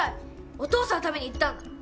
お父さんのために言ったんだ。